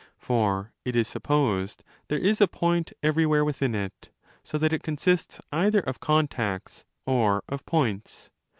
For—it is supposed—there is a point everywhere within it, so that it consists either of contacts or of points.